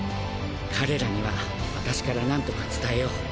彼らには私から何とか伝えよう。